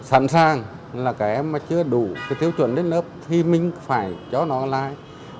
sẵn sàng là các em mà chưa đủ cái tiêu chuẩn lên lớp thì mình phải cho nó lại